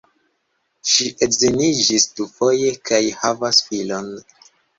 Ŝi edziniĝis dufoje kaj havas filon.